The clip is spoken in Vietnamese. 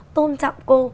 tôn trọng cô